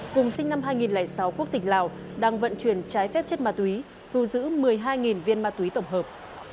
cùng sinh năm hai nghìn sáu quốc tịch lào đang vận chuyển trái phép chất ma túy thu giữ một mươi hai viên ma túy tổng hợp